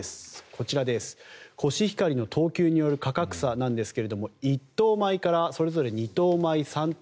こちら、コシヒカリの等級による価格差なんですが一等米からそれぞれ二等米三等